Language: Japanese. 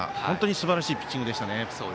すばらしいピッチングでした。